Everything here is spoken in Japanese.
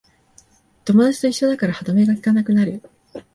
友達と一緒だから歯止めがきかなくなる